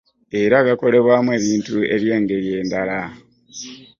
Era gakolebwamu ebintu eby'engeri endala .